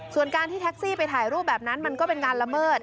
ส่วนการที่แท็กซี่ไปถ่ายรูปแบบนั้นมันก็เป็นการละเมิด